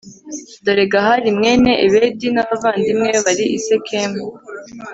dore gahali mwene ebedi n'abavandimwe be bari i sikemu